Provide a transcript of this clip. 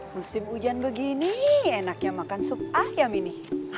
musim hujan begini enaknya makan sup ayam ini